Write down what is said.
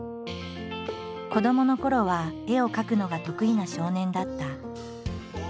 子どものころは絵を描くのが得意な少年だった。